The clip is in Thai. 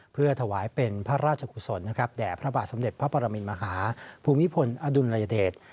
เพื่อถวายเป็นพระราชกุศลแด่พระบาทสมเด็จพระปรมินมหาภูมิพลอดุลยเดช